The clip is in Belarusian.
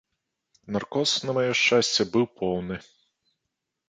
Наркоз, на маё шчасце, быў поўны.